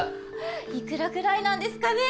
幾らくらいなんですかね！？